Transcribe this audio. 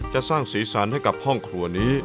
สร้างสีสันให้กับห้องครัวนี้